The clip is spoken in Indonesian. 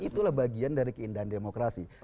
itulah bagian dari keindahan demokrasi